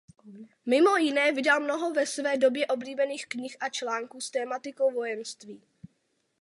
Mimo jiné vydal mnoho ve své době oblíbených knih a článků s tematikou vojenství.